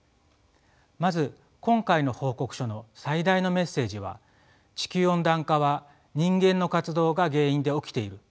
まず今回の報告書の最大のメッセージは「地球温暖化は人間の活動が原因で起きている」と断言したことです。